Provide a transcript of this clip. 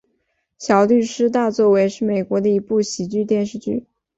小律师大作为是美国的一部喜剧电视剧。